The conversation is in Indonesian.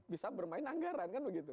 bisa bermain anggaran kan begitu